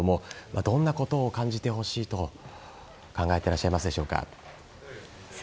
どんなことを感じてほしいと考えていらっしゃいますか。